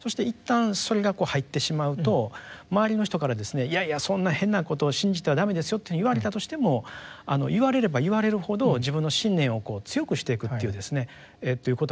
そして一旦それがこう入ってしまうと周りの人からですねいやいやそんな変なことを信じては駄目ですよというふうに言われたとしても言われれば言われるほど自分の信念を強くしていくということがあるわけです。